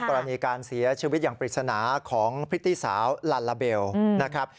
กรณีการเสียชีวิตอย่างปริศนาของพริตตี้สาวลัลลาเบลนะครับ